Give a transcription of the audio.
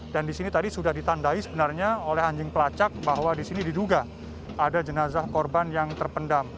dan di sini tadi sudah ditandai sebenarnya oleh anjing pelacak bahwa di sini diduga ada jenazah korban yang terpendam